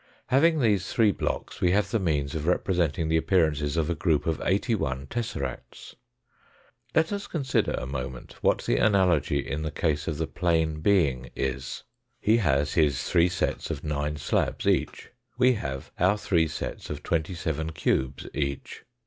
Having these three blocks we have the means of representing the appearances of a group of eighty one tesseracts. Let us consider a moment what the analogy in the case of the plane being is. He has his three sets of nine slabs each. We have our three sets of twenty seven cubes each.